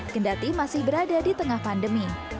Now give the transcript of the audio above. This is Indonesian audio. kendati masih berada di tengah pandemi